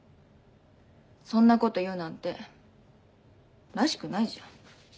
そんなこと言うなんてらしくないじゃん。